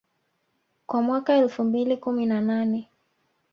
kwa mwaka elfu mbili kumi na nane